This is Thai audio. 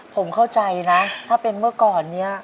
ผมเข้าใจนะถ้าเป็นเมื่อก่อนนี้